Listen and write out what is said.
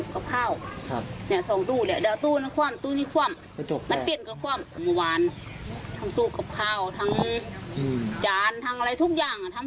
ก็ว่าให้เลี้ยงเขาก็ไม่ได้เลี้ยงเขาเมื่อส่งอาทิตย์